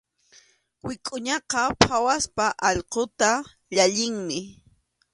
Wikʼuñaqa phawaspa allquta llallinmi.